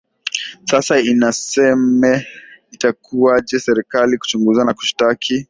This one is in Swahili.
sasa inaseme itakuwaje serikali kuchunguza na kushtaki